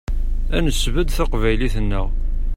Ad nesbedd taqbaylit-nneɣ.